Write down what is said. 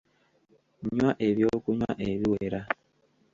Nnywa ebyokunywa ebiwera.